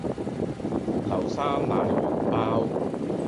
流沙奶黃包